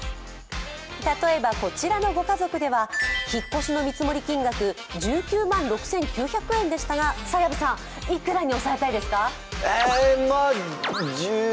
例えば、こちらのご家族では引っ越しの見積金額１９万６９００円でしたが薮さん、いくらに抑えたいですか。